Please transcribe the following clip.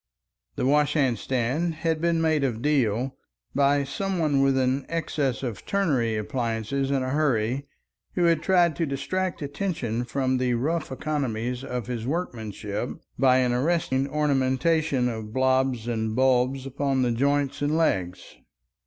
This washhandstand had been made of deal by some one with an excess of turnery appliances in a hurry, who had tried to distract attention from the rough economies of his workmanship by an arresting ornamentation of blobs and bulbs upon the joints and legs.